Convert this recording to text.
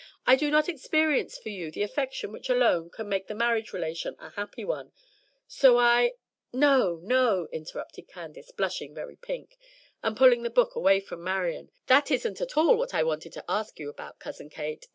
I do not experience for you the affection which alone can make the marriage relation a happy one; so I '" "No, no," interrupted Candace, blushing very pink, and pulling the book away from Marian; "that isn't at all what I wanted to ask you about, Cousin Kate.